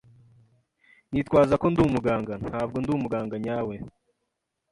Nitwaza ko ndi umuganga. Ntabwo ndi umuganga nyawe.